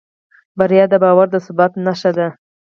بریا د باور د ثبوت نښه ده.